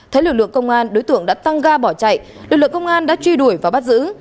thấy lực lượng công an đối tượng đã tăng ga bỏ chạy lực lượng công an đã truy đuổi và bắt giữ